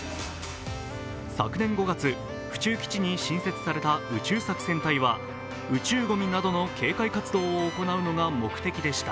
昨年５月、府中基地に新設された宇宙作戦隊は宇宙ごみなどの警戒活動を行うのが目的でした。